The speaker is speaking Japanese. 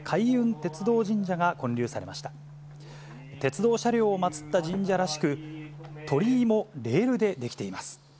鉄道車両を祭った神社らしく、鳥居もレールで出来ています。